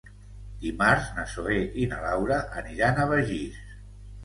Dimarts na Zoè i na Laura aniran a Begís.